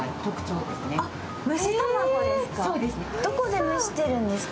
どこで蒸してるんですか？